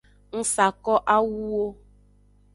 Ng sa ko awuwo.